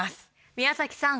宮崎さん